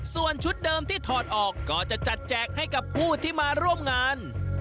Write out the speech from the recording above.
ส่วนชุดเดิมที่ถอดออกก็จะจัดแจกให้กับผู้ที่มาร่วมงาน